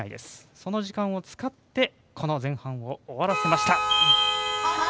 その時間を使って前半を終わらせました。